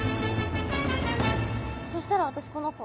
そしたら私この子。